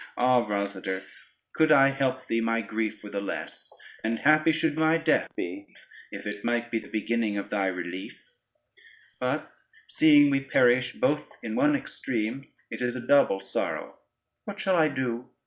Ah, Rosader, could I help thee, my grief were the less, and happy should my death be, if it might be the beginning of thy relief: but seeing we perish both in one extreme, it is a double sorrow. What shall I do?